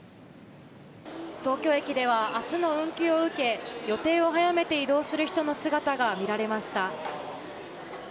東京駅では明日の運休を受け予定を早めて移動する人の姿が見られました。